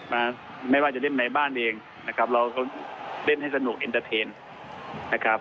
มาไม่ว่าจะเล่นในบ้านเองนะครับเราก็เล่นให้สนุกเอ็นเตอร์เทนนะครับ